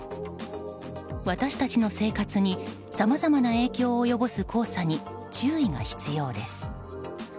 私たちの生活にさまざまな影響を及ぼす黄砂に注意が必要です。